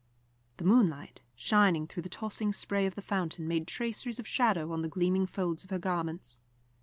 The moonlight, shining through the tossing spray of the fountain, made traceries of shadow on the gleaming folds of her garments.